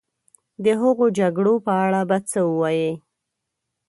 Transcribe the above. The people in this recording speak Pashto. د هغو جګړو په اړه به څه ووایې.